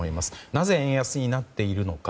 なぜ円安になっているのか。